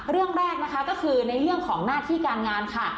เรื่องแรกนะคะก็คือในเรื่องของหน้าที่การงานค่ะ